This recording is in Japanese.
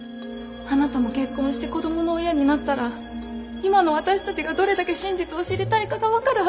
あなたも結婚して子供の親になったら今の私たちがどれだけ真実を知りたいかが分かるはずです。